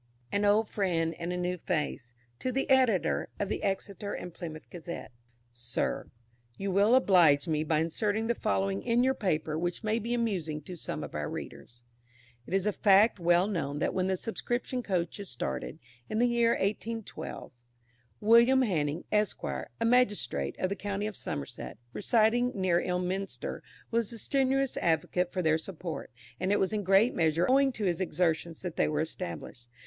AN OLD FRIEND AND A NEW FACE. To the Editor of the "Exeter and Plymouth Gazette." SIR, You will oblige me by inserting the following in your paper, which may be amusing to some of your readers: It is a fact well known that when the subscription coaches started, in the year 1812, William Hanning, Esq., a magistrate of the county of Somerset, residing near Ilminster, was a strenuous advocate for their support, and it was in great measure owing to his exertions that they were established.